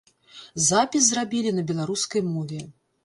Запіс зрабілі на беларускай мове.